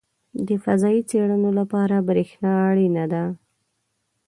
• د فضایي څېړنو لپاره برېښنا اړینه ده.